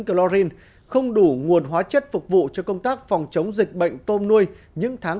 chlorin không đủ nguồn hóa chất phục vụ cho công tác phòng chống dịch bệnh tôm nuôi những tháng